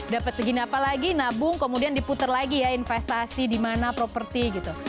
dapat segini apa lagi nabung kemudian diputer lagi ya investasi di mana properti gitu